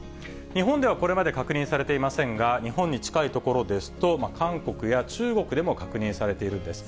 日本ではこれまで確認されていませんが、日本に近い所ですと、韓国や中国でも確認されているんです。